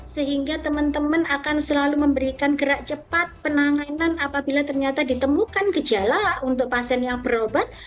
sehingga teman teman akan selalu memberikan gerak cepat penanganan apabila ternyata ditemukan gejala untuk pasien yang berobat